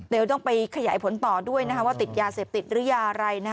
เดี๋ยวต้องไปขยายผลต่อด้วยว่าติดยาเสพติดหรือยาอะไร